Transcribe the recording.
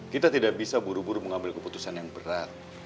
kita tidak bisa buru buru mengambil keputusan yang berat